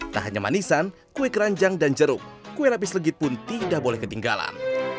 tak hanya manisan kue keranjang dan jeruk kue lapis legit pun tidak boleh ketinggalan